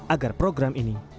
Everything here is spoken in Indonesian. agar program ini berjalan